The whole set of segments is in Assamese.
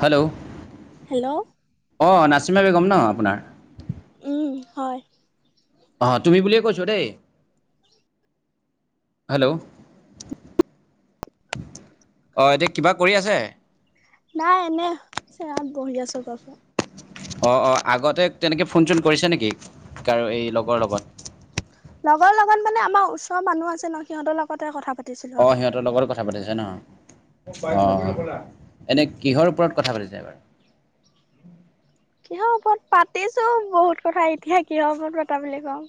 হেল্ল'। হেল্ল' অঁ নাচিম বেগ'ম ন আপোনাৰ? উম, হয়। আহ তুমি বুলিয়ে কৈছো দেই। হেল্ল'। অ, এতিয়া কিবা কৰি আছে? নাই এনে চ বহি আছো কছ অঁ, অঁ আগতে তেনেকৈ ফোন চোন কৰিছে নেকি কাৰো এই লগৰ লগত লগৰ লগত মানে আমাৰ ওচৰৰ মানুহ আছে ন সিহঁতৰ লগতে কথা পাতি আহ, সিহঁতৰ লগত কথা পাতিছা ন, উম অ। এনে কিহৰ ওপৰত কথা পাতিছা বাৰু? কিহৰ ওপৰত পাতিছো বহুত কথা এতিয়া কিহৰ ওপৰত পাতা বুলি কওঁ।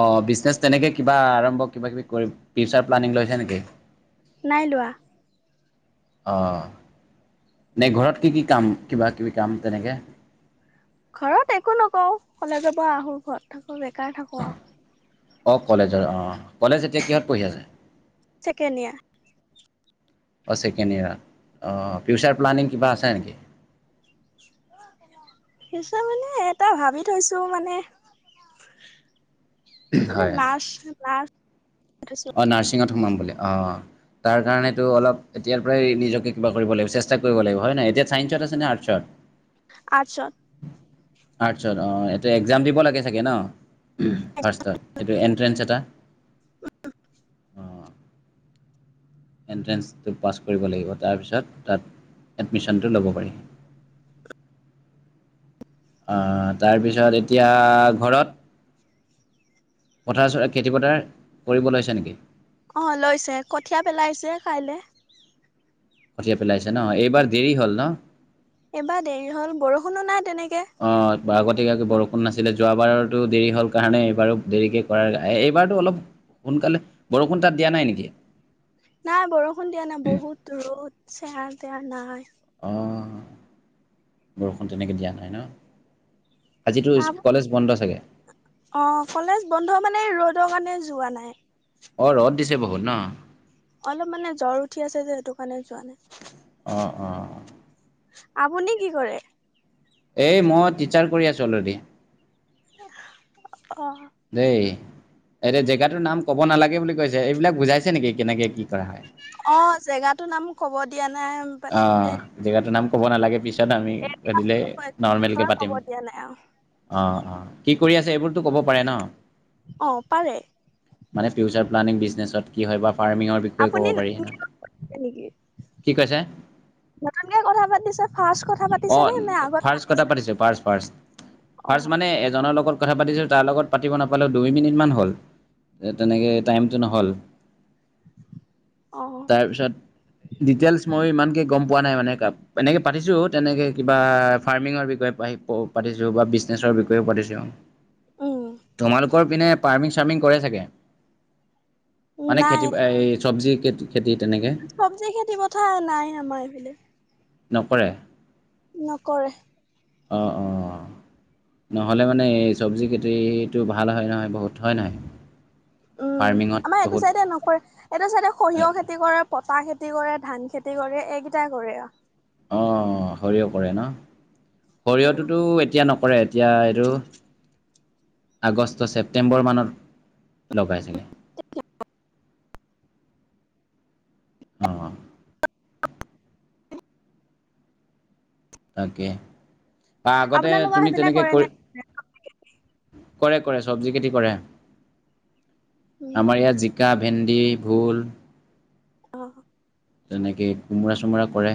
অ, বিজনেছ তেনেকে কিবা আৰম্ভ কিবা- কিবি কৰি ফিউচাৰ প্লানিং লৈছা নেকি? নাই লোৱা। আহ। নে ঘৰত কি কি কাম কিবা কিবি কাম তেনেকে? ঘৰত একো নকও কলেজ পৰা আহো, ঘৰত থাকো। বেকাৰ থাকো আৰু অ, কলেজৰ অহ। কলেজ এতিয়া কিহত পঢ়ি আছা? ছেকেণ্ড ইয়াৰ। [inaudible] অ, ছেকেণ্ড ইয়াৰত অ ফিউচাৰ প্লানিং কিবা আছে নেকি? মানে এটা ভাবি থৈছো মানে মানে, হয় নাচ, নাচ অ, নাৰ্ছিঙত সোমাম বুলি অ। তাৰ কাৰণেতো অলপ এতিয়াৰ পৰাই নিজকে কিবা কৰিব লাগিব। চেষ্টা কৰিব লাগিব হয় নাই। এতিয়া চাইন্সত আছে নে আৰ্টচ ত। আৰ্টছত। আৰ্টছত অ, এতে এক্জাম দিব লাগে চাগে ন ফাৰ্ষ্ট এইটো এনট্ৰেঞ্চ এটা। অ এণ্ট্ৰেঞ্চটো পাছ কৰিব লাগিব তাৰপিছত তাত এডমিশনটো ল'ব পাৰি। আহ তাৰপিছত এতিয়া ঘৰত পথাৰ- চৰা খেতি-পথাৰ কৰিব লৈছা নেকি? অ, লৈছে কঠীয়া পেলাইছে কাইলৈ। কঠিয়াই-পেলাইছে ন এইবাৰ দেৰি হল ন? এবাৰ দেৰি হল বৰষুণো নাই তেনেকে। ষুন নাছিলে যোৱাবাৰতো দেৰি হল কাৰণে এইবাৰো দেৰিকে কৰাৰ এইবাৰতো অলপ সোনকালে বৰষুণ তাত দিয়া নাই নেকি? নাই বৰষুণ দিয়া নাই, বহুত ৰ'দ, চেৱা-তেয়া নাই। অ, বৰষুণ তেনেকৈ দিয়া নহয় ন? আজিতো আ, কলেজ বন্ধ চাগে? অ, কলেজ বন্ধ মানে ৰ'দৰ কাৰণে যোৱা নাই। অ, ৰদ দিছে বহুত ন? অলপ মানে জ্বৰ উঠি আছে যে সেইটো কাৰণে যোৱা নাই। অ, অ। আপুনি কি কৰে? এই মই টিচাৰ কৰি আছোঁ অল ৰেডি। অ। দেই এতিয়া জেগাটোৰ নাম কব নালাগে বুলি কৈছে এইবিলাক বুজাইছে নেকি কেনেকে কি কৰা? হয়? অ জেগাটো নাম কব দিয়া নাই। অ জেগাতটো নাম ক'ব নালাগে পিছ কাৰণে আমি পাতিলে নৰ্মেলকে ঘৰ কব পাতিম দিয়া নাই অ অ অ। কি কৰি আছে এইবোৰতো ক'ব পাৰে ন অ পাৰে মানে ফিউচাৰ প্লানিং বিজনেচ কি হয় বা ফাৰ্মিং বিষয়ে ক'ব আপুনি পাৰি। নতুনকে কথা পাতিছে নেকি কি কৈছে? নতুনকে কথা পাতিছা। অ ফাৰ্ষ্ট কথা পাতিছো ফাৰ্ষ্ট ফাৰ্ষ্ট। অ ফাৰ্ষ্ট মানে এজনৰ লগত কথা পাতিছো তাৰ লগত পাতিব নাপ পালো দুই মিনিটমান হ'ল তেনেকে টাইমটো নহ'ল। অ তাৰ পিছত ডিটেইলচ মই ইমানকে গম পোৱা নাই মানে এ এনেকে পাতিছো। তেনেকে কিবা ফাৰ্মিংৰ বিষয়ে প পাতিছো বা বিজনেছৰ বিষয়েও পাতিছো উম তোমালোকৰ পিনে পাৰ্মিং চাৰ্মিং কৰে চাগে। মানে খেতি এই চবজি খে চবজি খেতি পথা নাই আমাৰ এইফালে। নকৰে। নকৰে। অ অ। নহ'লে মানে এই চবজি খেতিটো ভাল হয় নহয় বহুত হয় নহয়। উম ফাৰ্মিঙত আমাৰ এইটো বহুত চাইডে নকৰে এইটো চাইডে সৰিয়হ খেতি কৰে পতা খেতি খেতি কৰে ধান খেতি কৰে এইকেইটাই কৰে আও। অঁ সৰিয়হ কৰে ন সৰিয়হটোতো এতিয়া নক কৰে এতিয়া এইটো আগষ্ট ছেপ্টেম্বৰ মানত লগাই চাগে। [unintelligible] অ তাকে বা আগতে আপোনালোকৰ তুমি সেইফালে তেনেকে কৰে কৰি নে? কৰে কৰে চবজি খেতি কৰে। উম, আমাৰ ইয়াত জিকা ভেন্দি ভোল অ। তেনেকেই কোমোৰা চোমোৰা কৰে।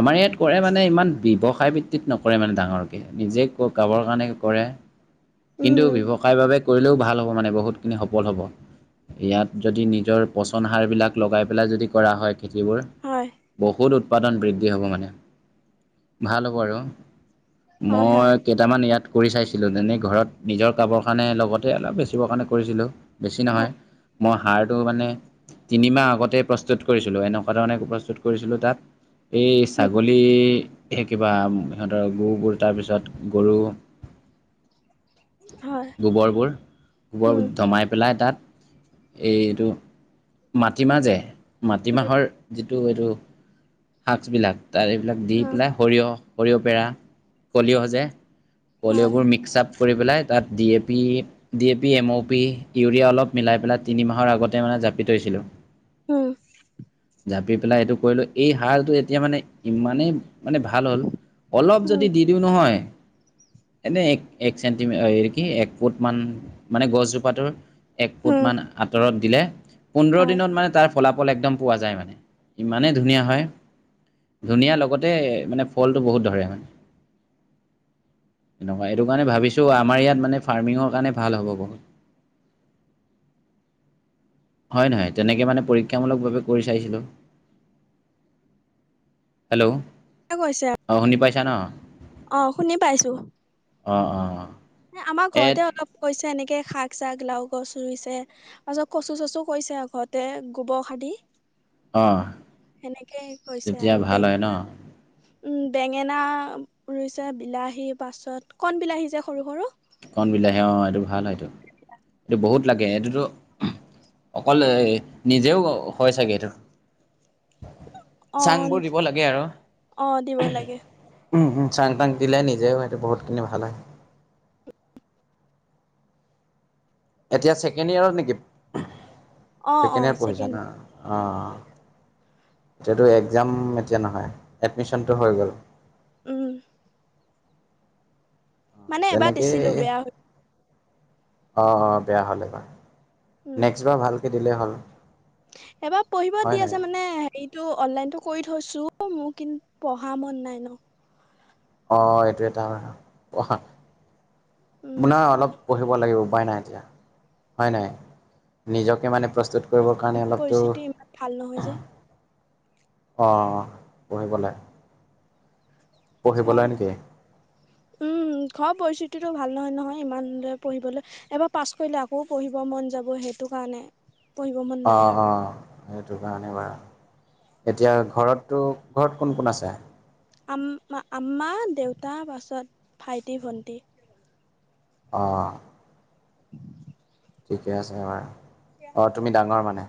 আমাৰ ইয়াত কৰে মানে ইমান ব্যৱসায় ভিত্তিত নকৰে মানে ডাঙৰকে, নিজে খাবৰ কাৰণে কৰে। কিন্তু উম, ব্যৱসায় বাবে কৰিলেও ভাল হ'ব মানে বহুত খিনি সফল হব। ইয়াত যদি নিজৰ পচন সাৰ বিলাক লগাই পেলাই যদি কৰা হয়। যিবোৰ হয়, বহুত উৎপাদন বৃদ্ধি হ'ব মানে ভাল হ'ব আৰু। হয়, মই হয়, কেইটামান ইয়াত কৰি চাইছিলোঁ তেনেই ঘৰত নিজৰ খাবৰ কাৰণে লগতে অলপ বেচিবৰ কাৰণে কৰিছিলোঁ। বেছি নহয় হয়, মই সাৰ়টো মানে তিনিমাহ আগতেই প্ৰস্তুত কৰিছোঁ। ছিলো, এনেকুৱা ধৰণে প্ৰস্তুত কৰিছিলো তাত এই উম, ছাগলীৰ এ কিবা সিহঁতৰ গ গুৰ তাৰপিছত গৰু হয়, গোবৰবোৰ উম, গোবৰবোৰ দমাই পেলাই তাত এইটো মাটিমাহ যে মাটিমাহৰ যিটো এইটো শাকবিলাক তাৰ এইবিলাক দি অ, পেলাই সৰিয়হ সৰিয়হ পেৰা খলিঅ' যে হয়, খলিঅ'বোৰ মিক্স আপ কৰি পেলাই তাত D A P D A P M O P urea অলপ মিলাই পেলাই তিনি মাহৰ আগতে মানে জাপি থৈছিলোঁ। উঁম। জাপি পেলাই এইটো কৰিলোঁ এই হালটো এতিয়া মানে ইমানেই মানে ভাল হ'ল অলপ উম, যদি দি দিওঁ নহয় এনেই এক এক চেণ্টিমি কি এক ফুট মান মানে গছজোপা টোৰ এক ফুট উম, মান আঁতৰত দিলে পোন্ধৰ হয়। দিনত মানে তাৰ ফলাফল একদম। পোৱা যায় মানে ইমানেই ধুনীয়া হয়। ধুনীয়া লগতে মানে ফলটো বহুত ধৰে হয়। এনেকুৱা এইটো কাৰণে ভাবিছো আমাৰ ইয়াত মানে ফাৰ্মিঙৰ কাৰণে ভাল হ'ব বহু [unintelligible] হয় নহয়? তেনেকে মানে পৰীক্ষামূলকভাৱে কৰি চাইছিলোঁ। হেল্ল'। ক কৈছা। [unintelligible] অহ শুনি পাইছো। অ অ অ। ন আমাৰ ঘৰতে অলপ কৈছে। তেনেকে শাক চাক লাও গছ ৰুইছে তাৰপিছত কচু চচু কৰিছে আও ঘৰতে গোবৰ খাদি। অঁ কৰিছে তেতিয়া আৰু বেঙ ভাল হয় ন। বেঙেনা ৰুইছে বিলাহী পাছত কণ বিলাহী যে সৰু সৰু। কণ বিলাহী অ এইটো ভাল হয় এইটো এইটো বহুত লাগে এইটোতো। অকল নিজেও হয় চাগে এইটো। অ চাংবোৰ দিব লাগে আৰু। অ দিব লাগে উম্ উম চাং তাং দিলে নিজেও সেইটো বহুতখিনি ভাল হয়। এতিয়া ছেকেণ্ড ইয়েৰত নেকি? অ অ ছেকেণ্ড ইয়াৰ পঢ়িছা ছেকেণ্ড না অ', এতিয়াতো একজাম এতিয়া নহয় এডমিচনটো হৈ গ'ল। উম। মানে এবাৰ দিছিলো বেয়া হৈ অহ - অহ বেয়া হ'লে এবাৰ উম নেক্সট বাৰ ভালকে দিলেই হ'ল। এবাৰ পঢ়িব হয় দি নাই আছে মানে হেৰিটো অনলাইনটো কৰি থৈছো মোক কিন্তু পঢ়া মন নাই ন' অহ, এইটো এটা হয় পঢ়া উম মোনা পঢ়া অলপ পঢ়িব লাগিব। উপাই নাই এতিয়া হয় নাই নিজকে মানে প্ৰস্তুত কৰিব কাৰণে অলপতো পৰিস্থিতি ইমান ভাল নহয় যে অহ, পহিবলে [unintelligible] পৰিস্থিতিটো ভাল নহয় -নহয় ইমানৰে পঢ়িবলৈ এবাৰ পাছ কৰিলে আকৌ পঢ়িব মন যাব সেইটো কাৰণে পঢ়িব মন অহ নাই - আৰু অহ সেইটো কাৰণেই বা এতিয়া ঘৰতটো ঘৰত কোন- কোন আছে? আম্মা, দেউতা পাছত ভাইটি -ভণ্টি। অহ [inaudible] ঠিকে আছে [unintelligible] অহ তুমি ডাঙৰ মানে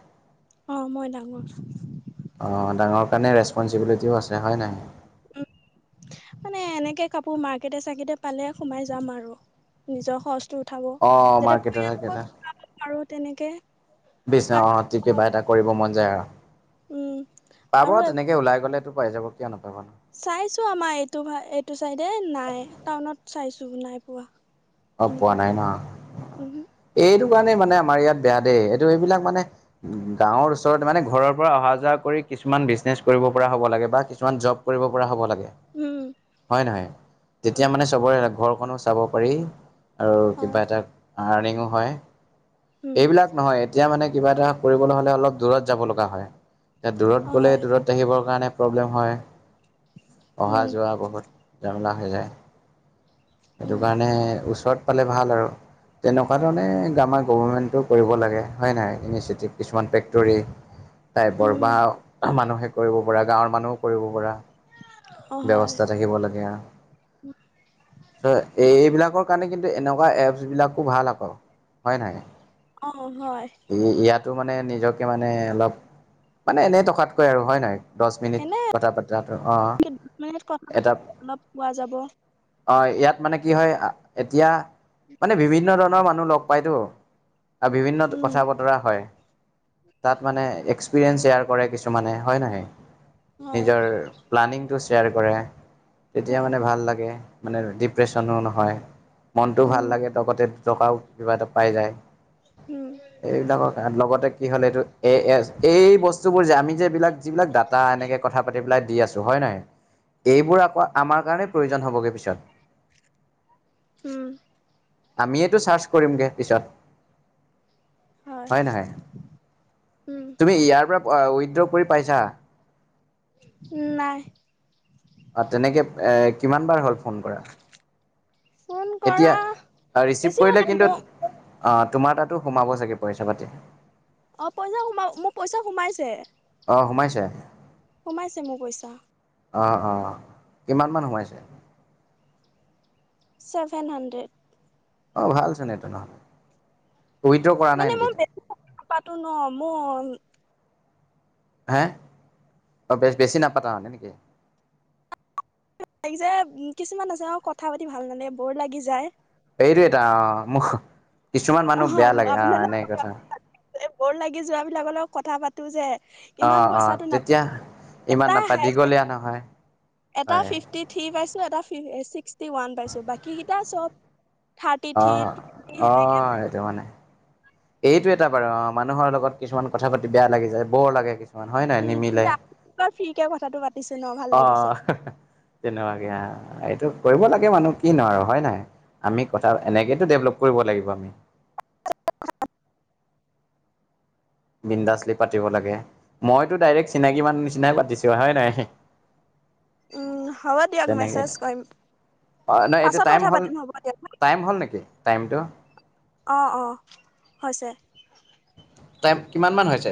অহ, মই ডাঙৰ। অহ, ডাঙৰ কাৰণে ৰেচপঞ্চিবিলিটিও আছে হয় নাই? মানে এনেকে কাপোৰ মাৰ্কেট চাৰ্কিতে পালে সোমাই যাম আৰু নিজৰ খৰছটো পঠাব অ', যাতে মাৰ্কেটাৰ পৰিয়ালক [unintelligible] আৰু তেনেকে। [unintelligible] কিবা এটা কৰিব মন যায় আৰু। উম [inaudible] পাব আৰু তেনেকে ওলাই গলেটো পাই যাব কিয় নাপাব। চাইছো আমাৰ এইটো -এইটো চাইডে নাই টাউনত চাইছো নাই পোৱা। অহ, পোৱা তেনেকুৱা নাই উম ন'এইটো কাৰণে মানে আমাৰ ইয়াত বেয়া দেই। এইটো এইবিলাক মানে গাঁৱৰ ওচৰত মানে ঘৰৰ পৰা অহা যোৱা কৰি কিছুমান বিজনেছ কৰিব পৰা হ'ব লাগে বা কিছুমান জব কৰিব পৰা হ'ব লাগে উম হয় নহয়? উম তেতিয়া মানে চবৰে ঘৰখনো চাব পাৰি। আৰু হয় কিবা এটা আৰ্নিঙো হয়, উম এইবিলাক নহয় এতিয়া মানে কিবা এটা কৰিবলৈ হ'লে অলপ দূৰত যাব লগা হয়, এতিয়া দূৰত অ গ'লে হয় দূৰত আহিবৰ কাৰণে হ প্ৰব্লেম হয়, অহা উম যোৱা বহুত জামেলা হৈ যায়। সেইটো উম কাৰণে ওচৰত পালে ভাল আৰু, তেনেকোৱা ধৰণে গামা গভমেণ্টো কৰিব লাগে হয় নাই ইনিচিতি কিছুমান ফেক্টৰী তাই উম বৰবা মানুহে কৰিব পৰা গাঁৱৰ মানুহেও কৰিব পৰা অ হয় ব্যৱস্থা থাকিব লাগে। চ এই এইবিলাকৰ কাৰণে কিন্তু এনেকোৱা এপচ বিলাকো ভাল আকৌ হয় নাই অহ হয়। তে নিজকে মানে অলপ, মানে এনেই থকাতকৈ আৰু হয় নাই? দশ মিনিট এনে কথা পতাটো অহ মিনিট কথা এটা অলপ পোৱা যাব অ ইয়াত মানে কি হয়, আ এতিয়া মানে বিভিন্ন ধৰণৰ মানুহ লগ পাইতো আৰু বিভিন্ন উম কথা বতৰা হয় তাত মানে এক্স এক্সপিৰিয়েঞ্চ শ্বেয়াৰ কৰে কিছুমানে হয় নহয়? হয় নিজৰ প্লানিং তো শ্বেয়াৰ কৰে, তেতিয়া হয় মান ভাল লাগে মানে ডিপ্ৰেচনো নহয়। মনটো উম ভাল লাগে লগতে টকাও কিবা এটা পাই যায়। উম, এইবিলাকৰ লগতে কি হ'ল এইটো এ এছ এই বস্তু বোৰ যে আমি যে এইবিলাক যিবিলাক ডাটা এনেকে কথা পাতি পেলাই দি আছো হয় নাই এইবোৰ আকৌ আমাৰ কাৰণে প্ৰয়োজন হবগে পিছত উম। আমিয়েতো চাৰ্চ কৰিমগে পিছত হয় নহয়, উম, তুমি ইয়াৰ পৰা উইড্ৰ কৰি পাইছা? নাই। অ তেনেকে এ কিমান বাৰ হ'ল ফোন কৰা? ফোন এতিয়া, কৰা ৰিচিভ বেছি হোৱা কৰিলে নাই কিন্তু মোৰ অ তোমাৰ তাতো সোমাব চাগে পইচা পাতি অ পইচা সোমা মোক পইচা সোমাইছে। অ সোমাইছে। সোমাইছে মোৰ পইচা। অ অ কিমান মান সোমাইছে? ছেভেন হানড্ৰেড অ ভালচোন এটো ন। মানে মই বে নাপাতো ন মোৰ হে বেছ বেছি নাপাতা হয় নেকি যে কিছুমান আছে অ কথা পাতি ভাল মানে বৰ লাগি যায়। এইটো এটা অ মখ কিছুমান মানুহ বেয়া লাগে অ এনে কথা। বৰ লাগি যোৱা বিলাকৰ লগত কথা পাতো যে অ ইমান অ পইচাটো তেতিয়া নাপায় ইমান এটা নাপায় হাই দীঘলীয়া নহয় এটা হয় ফিফটি থ্ৰী পাইছো, এটা ছিক্সটি ওৱান পাইছো বাকীকেইটা চব থাৰ্টি অ থিত সি অ সেনেকে সেইটো মানে, এইটো এটা বাৰু অ মানুহৰ লগত কিছুমান কথা পাতি বেয়া লাগি যায় বৰ লাগে কিছু হয় নাই উম, নিমিলে এতিয়া আপুনিবাৰ ফ্ৰীকে কথাটো পাতিছো ন ভাল অ লাগিছে। হেহে চিনে ভাগে আও‌ এইটো। কৰিব লাগে মানুহ কি নহয় হয় নাই? আমি কথা এনেকে ডেভলপ কৰিব লাগিব আমি। [unintelligible] বিন্দাচলি পাতিব লাগে, মইতো ডাইৰেক্ট চিনাকি মানুহৰ নিচিনাই পাতিছো হয় নাই? [unintelligible] উম', হ'ব দিয়ক তেনেকে মেছেজ কৰিম। অ, নহয় এতিয়া পাছত টাইম কথা হ'ল পাতিম হ'ব দিয়ক। টাইম হ'ল নেকি টাইমটো? অহ'-অহ', হৈছে। টাইম কিমান মান হৈছে?